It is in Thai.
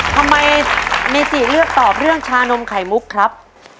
ทำไมเมจิเลือกตอบเรื่องชานมไข่มุกครับ